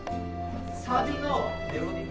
サビのメロディー。